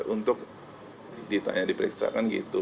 untuk ditanya diperiksakan gitu